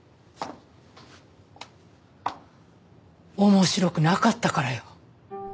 面白くなかったからよ。